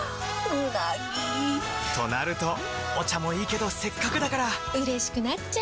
うなぎ！となるとお茶もいいけどせっかくだからうれしくなっちゃいますか！